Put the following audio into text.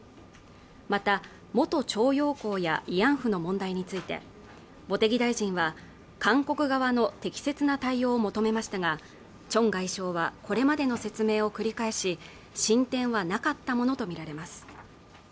また、元徴用工や慰安婦の問題について茂木大臣は、韓国側の適切な対応を求めましたが、チョン外相は、これまでの説明を繰り返し進展はなかったものとみられます。